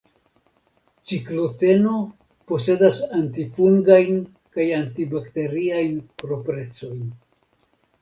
Cikloteno posedas antifungajn kaj antibakteriajn proprecojn.